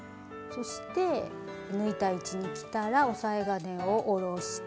そして縫いたい位置にきたら押さえ金を下ろして。